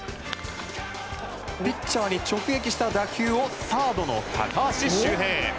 ピッチャーに直撃した当たりをサードの高橋周平。